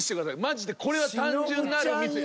マジでこれは単純なるミス。